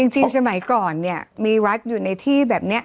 จริงสมัยก่อนเนี่ยมีวัดอยู่ในที่แบบนี้